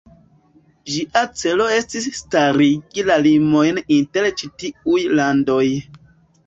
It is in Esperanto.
Ĝia celo estis starigi la limojn inter ĉi tiuj landoj.